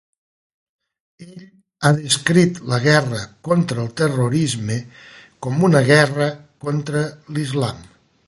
Ell ha descrit la guerra contra el terrorisme com una guerra contra l'Islam.